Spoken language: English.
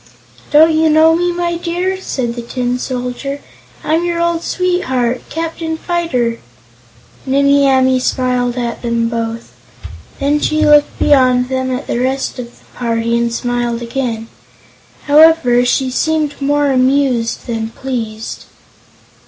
"Don't you know me, my dear?" said the Tin Soldier. "I'm your old sweetheart, Captain Fyter!" Nimmie Amee smiled at them both. Then she looked beyond them at the rest of the party and smiled again. However, she seemed more amused than pleased.